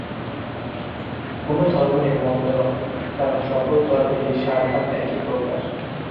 কোন ধর্মই মন্দ নহে, কারণ সকল ধর্মেরই সারভাগ একই প্রকার।